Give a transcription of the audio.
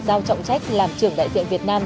giao trọng trách làm trưởng đại diện việt nam